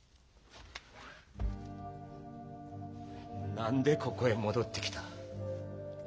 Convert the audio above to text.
何でここへ戻ってきた？